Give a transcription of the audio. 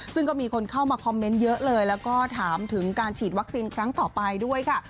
ซึ่งก็มีคนเข้ามาคอมเมนต์เยอะเลยแล้วก็ถามถึงการฉีดวัคซีนครั้งต่อไปด้วยค่ะ